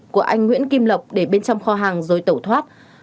của anh nguyễn kim lộc để bên trong kho hàng rồi tẩu thoát